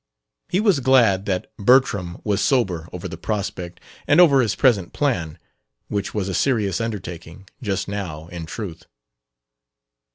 He was glad that Bertram was sober over the prospect and over his present plan which was a serious undertaking, just now, in truth.